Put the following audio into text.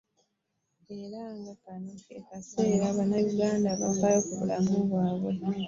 Era nga kano ke kaseera Bannayuganda bafeeyo ku bulamu bwabwe.